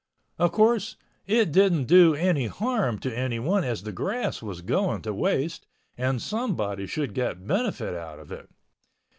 Of course, it didn't do any harm to anyone as the grass was going to waste and somebody should get benefit out of it.